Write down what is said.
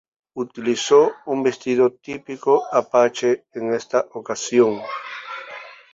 Utilizó un vestido típico apache en esa ocasión.